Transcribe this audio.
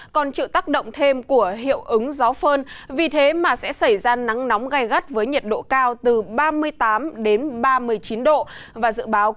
còn chịu tác động thêm của hiệu ứng gió phơn vì thế mà sẽ xảy ra nắng nóng gai gắt với nhiệt độ cao